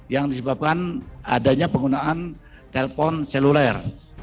yang disebabkan adanya penggunaan telpon seluler